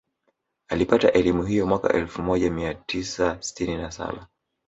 Alipata elimu hiyo mwaka elfu moja mia tiaa sitini na saba